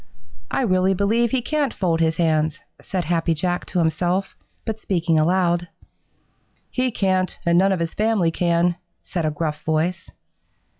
"I really believe he can't fold his hands," said Happy Jack to himself, but speaking aloud. "He can't, and none of his family can," said a gruff voice.